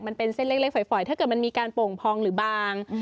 มันเป็นเส้นเล็กฝอยถ้าเกิดมันมีการโป่งพองหรือบาง